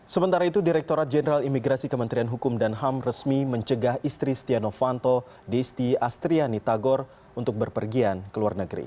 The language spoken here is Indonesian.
sementara itu direkturat jenderal imigrasi kementerian hukum dan ham resmi mencegah istri stiano fanto desti astriani tagor untuk berpergian ke luar negeri